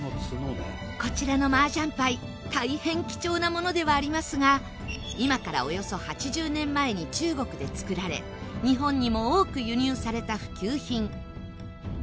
こちらの麻雀牌大変貴重なものではありますが今からおよそ８０年前に中国で作られ日本にも多く輸入された普及品。